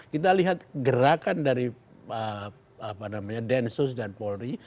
kita lihat gerakan dari densus dan polri